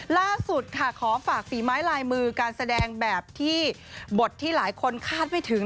ล่าสุดค่ะขอฝากฝีไม้ลายมือการแสดงแบบที่บทที่หลายคนคาดไม่ถึง